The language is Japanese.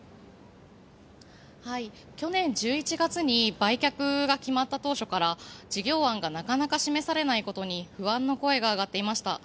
去年１１月に売却が決まった当初から事業案がなかなか示されないことに不安の声が上がっていました。